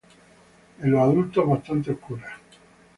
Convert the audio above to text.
En los adultos bastantes oscuras.